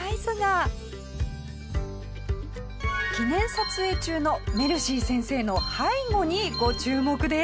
記念撮影中のメルシー先生の背後にご注目です。